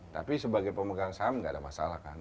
tapi sebagai pemegang saham tidak ada masalah kan